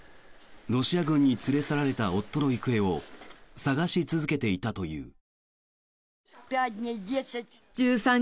ロシア軍に連れ去られた夫の行方を捜し続けていたという。